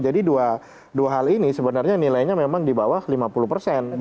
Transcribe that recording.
jadi dua hal ini sebenarnya nilainya memang di bawah lima puluh persen